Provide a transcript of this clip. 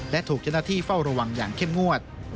และถูกเจ้าหน้าที่เฝ้าระวังอย่างเข้มงวด